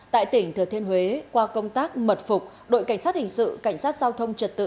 tại tỉnh thừa thiên huế qua công tác mật phục đội cảnh sát hình sự cảnh sát giao thông trật tự